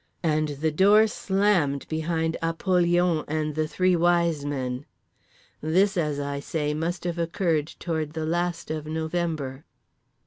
And the door SLAMMED behind Apollyon and the Three Wise Men. This, as I say, must have occurred toward the last of November.